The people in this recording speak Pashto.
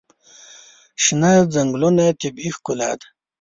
شنه ځنګلونه طبیعي ښکلا ده.